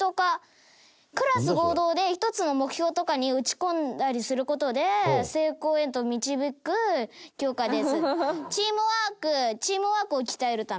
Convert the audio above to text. クラス合同で一つの目標とかに打ち込んだりする事で成功へと導く教科です。